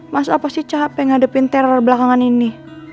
mas al pasti capek ngadepin teror belakangan ini